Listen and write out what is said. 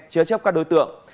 cho các đối tượng